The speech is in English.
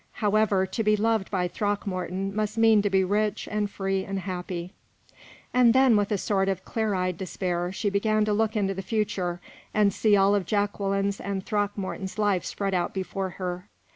However, to be loved by Throckmorton must mean to be rich and free and happy." And then, with a sort of clear eyed despair, she began to look into the future, and see all of Jacqueline's and Throckmorton's life spread out before her.